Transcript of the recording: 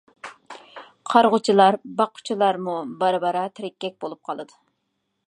قارىغۇچىلار، باققۇچىلارمۇ بارا-بارا تېرىككەك بولۇپ قالىدۇ.